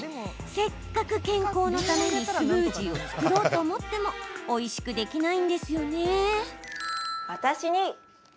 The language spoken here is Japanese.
せっかく健康のためにスムージーを作ろうと思ってもおいしくできないんですよね。